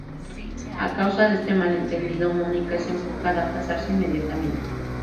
A causa de este malentendido, Mónica es empujada a casarse inmediatamente.